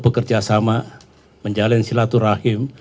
bekerjasama menjalin silaturahim